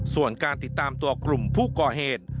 ส่วนการติดตามตัวกลุ่มผู้ก่อเหตุ